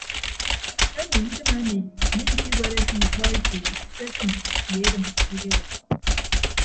Emi idịm emi miikiwereke ikpọ eto se afịm ye edịm ekewịp.